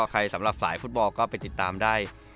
สำหรับสายฟุตบอลก็ไปติดตามได้